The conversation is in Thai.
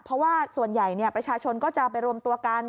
เพราะว่าส่วนใหญ่ประชาชนก็จะไปรวมตัวกัน